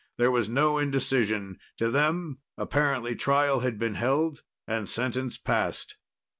There was no indecision. To them, apparently, trial had been held and sentence passed.